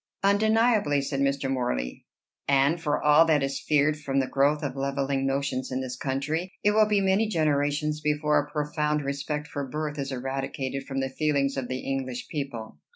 "Undeniably," said Mr. Morley. "And for all that is feared from the growth of levelling notions in this country, it will be many generations before a profound respect for birth is eradicated from the feelings of the English people."